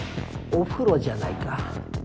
お風呂じゃないか。